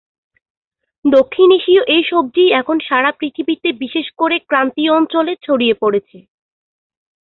দক্ষিণ এশীয় এই সবজি এখন সারা পৃথিবীতে বিশেষ করে ক্রান্তীয় অঞ্চলে ছড়িয়ে পড়েছে।